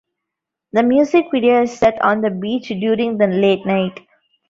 The music video is set on the beach during the late night.